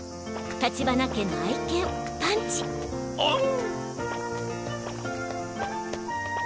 立花家の愛犬パンチオン！